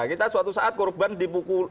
kita suatu saat korban dipukul